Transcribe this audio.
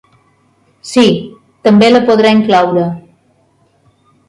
Sí, també la podrà incloure.